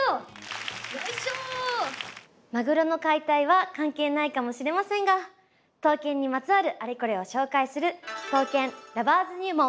マグロの解体は関係ないかもしれませんが刀剣にまつわるアレコレを紹介する「刀剣Ｌｏｖｅｒｓ入門」。